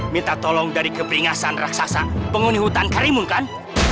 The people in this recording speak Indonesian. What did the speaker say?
minta tolong dari keperingasan raksasa penghuni hutan karimun kan